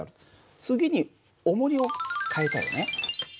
次におもりを変えたよね。